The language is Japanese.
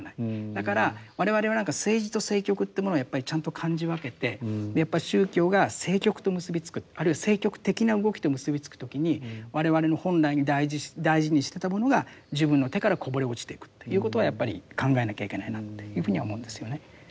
だから我々は何か政治と政局というものをやっぱりちゃんと感じ分けてやっぱり宗教が政局と結び付くあるいは政局的な動きと結び付く時に我々の本来大事にしてたものが自分の手からこぼれ落ちていくっていうことはやっぱり考えなきゃいけないなというふうには思うんですよね。